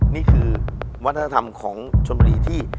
นี่คือวัฒนธรรมของชนบุรีที่